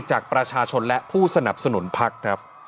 จากประชาชนและผู้สนับสนุนพักครับ